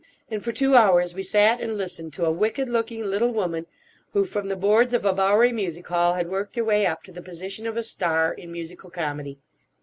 And for two hours we sat and listened to a wicked looking little woman who from the boards of a Bowery music hall had worked her way up to the position of a star in musical comedy.